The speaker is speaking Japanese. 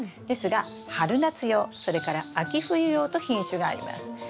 ですが春夏用それから秋冬用と品種があります。